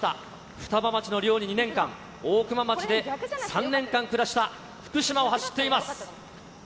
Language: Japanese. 双葉町の寮に２年間、大熊町で３年間暮らした福島を走っています。